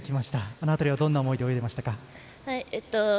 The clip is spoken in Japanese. あの辺りはどんな思いで泳いでいきましたか？